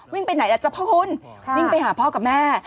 ไปไหนล่ะเจ้าพ่อคุณวิ่งไปหาพ่อกับแม่